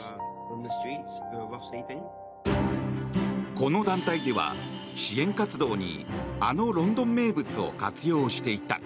この団体では、支援活動にあのロンドン名物を活用していた。